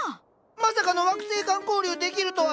まさかの惑星間交流できるとは！